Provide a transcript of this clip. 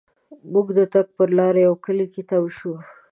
مونږ د تګ پر لار یوه کلي کې تم شوو.